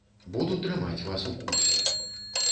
Буду трымаць вас у курсе.